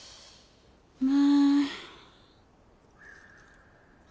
まあ。